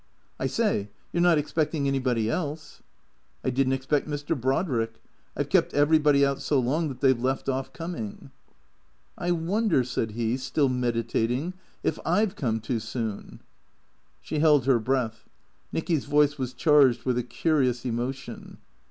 " I say, you're not expecting anybody else ?"" I did n't expect Mr. Brodrick. I 've kept everybody out so long that they 've left off coming." " I wonder," said he, still meditating, " if I 've come too Boon." She held her breath. Nicky's voice was charged with a curious emotion.